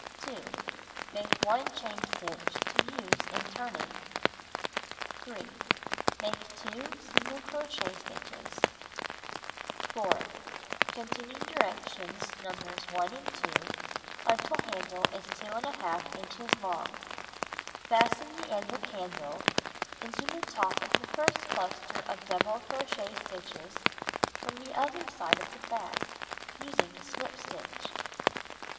Make 1 chain stitch to use in turning. 3. Make 2 single crochet stitches. 4. Continue directions Nos. 1 and 2 until handle is 2^ inches long. Fasten the end of handle into the top of the fii'st cluster of double crochet stitches from the other side of the bag, using slip stitch.